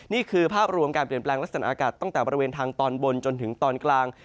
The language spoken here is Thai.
นี่คือภาพรวมการเปลี่ยนแปลงลักษณะอากาศตั้งแต่บริเวณทางตอนบนจนถึงตอนกลาง